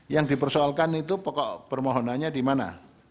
yang dipersoalkan itu pokok permohonannya di mana